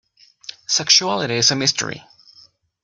Sexuality is a mystery.